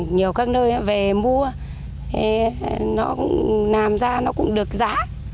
nhiều các nơi về mua nó nằm ra nó cũng được giá